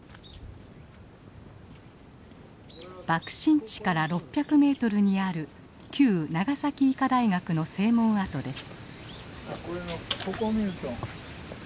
爆心地から６００ｍにある旧長崎医科大学の正門跡です。